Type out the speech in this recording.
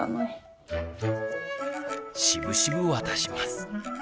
しぶしぶ渡します。